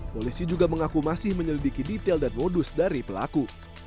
polisi juga mengaku masih menyelidiki detail dan modus dari pelaku